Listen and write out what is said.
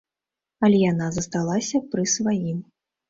Але яна засталася пры сваім.